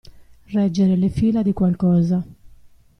Reggere le fila di qualcosa.